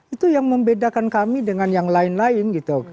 itu yang membedakan kami dengan yang lain lain gitu